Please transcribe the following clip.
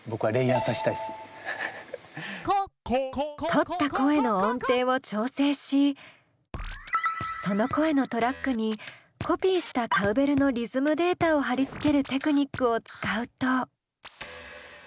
録った声の音程を調整しその声のトラックにコピーしたカウベルのリズムデータを貼り付けるテクニックを使うと。